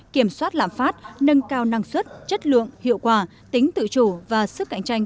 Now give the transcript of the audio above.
kiểm soát lạm phát nâng cao năng suất chất lượng hiệu quả tính tự chủ và sức cạnh tranh